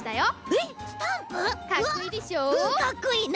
うんかっこいい。